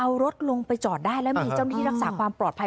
เอารถลงไปจอดได้แล้วมีเจ้าหน้าที่รักษาความปลอดภัย